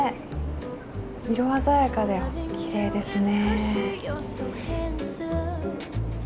色鮮やかできれいですね。